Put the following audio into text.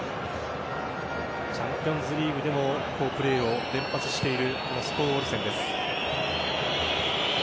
チャンピオンズリーグでも好プレーを連発しているスコウオルセンです。